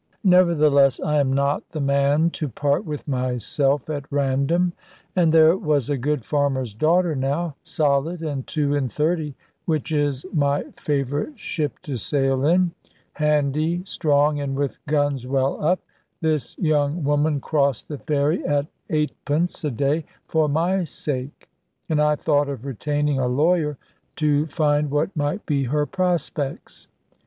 Nevertheless I am not the man to part with myself at random; and there was a good farmer's daughter now, solid, and two and thirty which is my favourite ship to sail in, handy, strong, and with guns well up this young woman crossed the ferry, at eightpence a day, for my sake; and I thought of retaining a lawyer to find what might be her prospects.